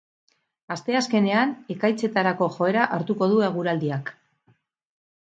Asteazkenean ekaitzetarako joera hartuko du eguraldiak.